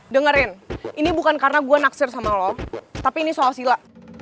dengerin ini bukan karena gue naksir sama lo tapi ini soal sila